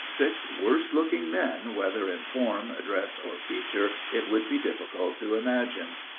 Six worse looking men, whether in form, dress, or feature, it would be difficult to imagine.